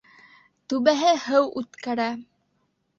Түбәһе һыу үткәрә.